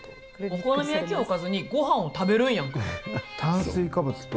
お好み焼きをおかずにごはんを食べるんやんか。